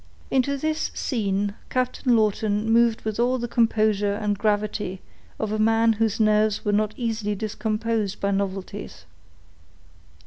Into this scene Captain Lawton moved with all the composure and gravity of a man whose nerves were not easily discomposed by novelties.